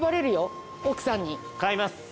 買います。